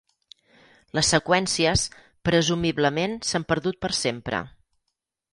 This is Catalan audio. Les seqüències presumiblement s'han perdut per sempre.